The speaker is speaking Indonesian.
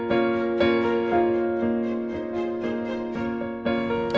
kamu cuma lagi marah aja kan